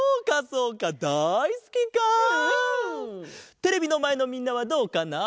テレビのまえのみんなはどうかなあ？